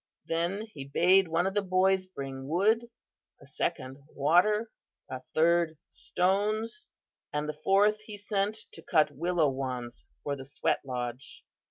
Then he bade one of the boys bring wood, a second water, a third stones, and the fourth he sent to cut willow wands for the sweat lodge.